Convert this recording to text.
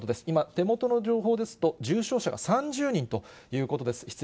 今、手元の情報ですと、重症者が３０人ということです。